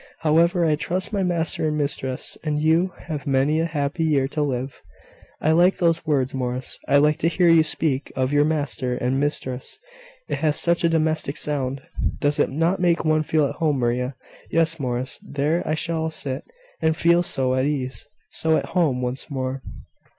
However, I trust my master and mistress, and you, have many a happy year to live." "I like those words, Morris. I like to hear you speak of your master and mistress, it has such a domestic sound! Does it not make one feel at home, Maria? Yes, Morris, there I shall sit, and feel so at ease! so at home, once more!"